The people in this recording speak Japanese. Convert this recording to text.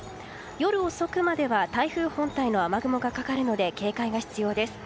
夜遅くまでは台風本体の雨雲がかかるので警戒が必要です。